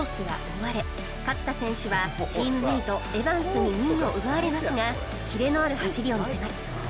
勝田選手はチームメイトエバンスに２位を奪われますがキレのある走りを見せます